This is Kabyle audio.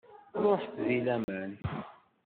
Ruḥet di laman.